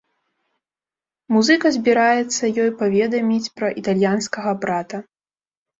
Музыка збіраецца ёй паведаміць пра італьянскага брата.